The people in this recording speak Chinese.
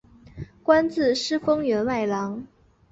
官至司封员外郎。